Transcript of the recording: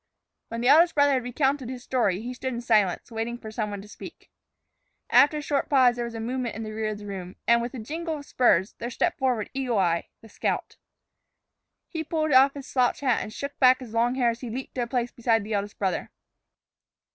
When the eldest brother had recounted his story, he stood in silence, waiting for some one to speak. After a short pause there was a movement in the rear of the room, and, with a jingle of spurs, there stepped forward Eagle Eye, the scout. He pulled off his slouch hat and shook back his long hair as he leaped to a place beside the eldest brother.